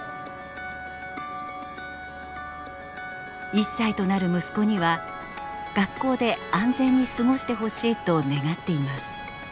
１歳となる息子には学校で安全に過ごしてほしいと願っています。